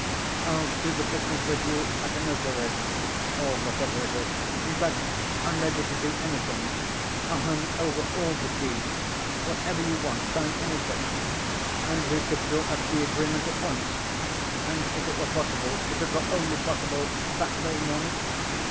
"I'll do the business with you at a notary's, or whatever it is ... in fact, I'm ready to do anything.... I'll hand over all the deeds ... whatever you want, sign anything ... and we could draw up the agreement at once ... and if it were possible, if it were only possible, that very morning....